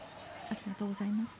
ありがとうございます。